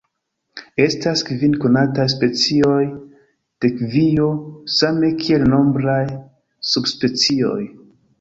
Estas kvin konataj specioj de kivio, same kiel nombraj subspecioj.